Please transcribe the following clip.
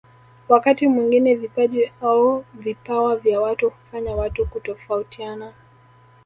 Wakati mwingine vipaji au vipawa vya watu hufanya watu kutofautiana